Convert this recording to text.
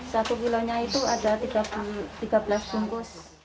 satu kilonya itu ada tiga belas bungkus